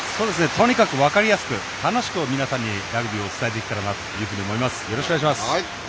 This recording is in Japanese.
とにかく分かりやすく楽しくラグビーをお伝えできればと思います。